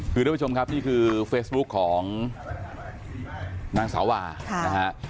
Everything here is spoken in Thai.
คือทุกผู้ชมครับนี่คือเฟซบุ๊คของนางสาวานะฮะ